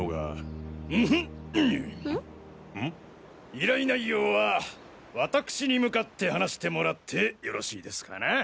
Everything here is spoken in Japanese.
依頼内容はわたくしに向かって話してもらってよろしいですかな？